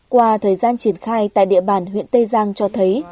qua thời gian triển khai tại địa bàn huyện tây giang cho thấy